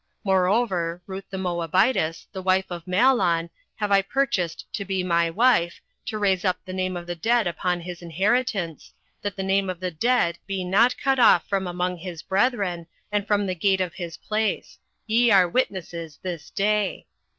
08:004:010 Moreover Ruth the Moabitess, the wife of Mahlon, have I purchased to be my wife, to raise up the name of the dead upon his inheritance, that the name of the dead be not cut off from among his brethren, and from the gate of his place: ye are witnesses this day.